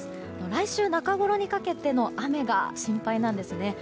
来週中ごろにかけての雨が心配なんですね。